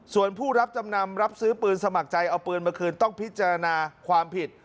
ส่วนผู้รับจำนำรับซื้อปืนสมัครใจเอาปืนมาคืนต้องพิจารณาความผิด